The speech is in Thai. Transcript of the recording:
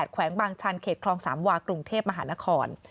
แขวงบางชันเขตคลองสามวากรุงเทพมหานคร